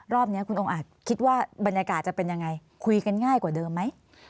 รอบนี้คุณองค์อาจคิดว่าบรรยากาศจะเป็นยังไงคุยกันง่ายกว่าเดิมไหม